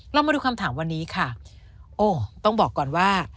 เรามาดูคำถามวันนี้ค่ะโอ้ต้องบอกก่อนว่า